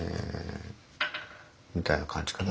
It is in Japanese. みたいな感じかな。